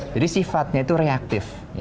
jadi sifatnya itu reaktif